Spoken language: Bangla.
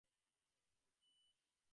আমার বাচ্চার হাম হয়েছে বলে মনে হচ্ছে।